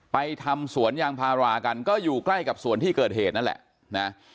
ทำสวนยางพารากันก็อยู่ใกล้กับสวนที่เกิดเหตุนั่นแหละนะ